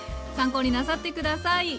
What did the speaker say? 参考になさって下さい。